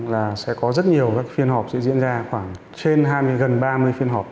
là sẽ có rất nhiều phiên họp sẽ diễn ra khoảng trên hai mươi gần ba mươi phiên họp